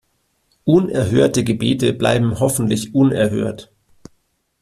Unerhörte Gebete bleiben hoffentlich unerhört.